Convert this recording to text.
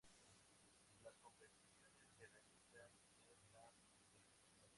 Las competiciones se realizarán en la St.